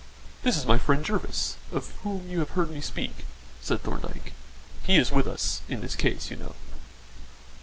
"This is my friend Jervis, of whom you have heard me speak," said Thorndyke. "He is with us in this case, you know."